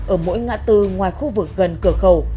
ở mỗi ngã tư ngoài khu vực gần cửa khẩu